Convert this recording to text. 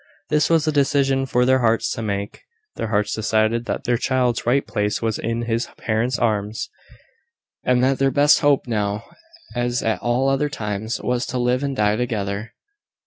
This was a decision for their hearts to make. Their hearts decided that their child's right place was in his parents' arms; and that their best hope now, as at all other times, was to live and die together.